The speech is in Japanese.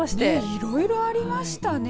いろいろありましたね。